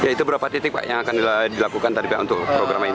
itu berapa titik yang akan dilakukan untuk program ini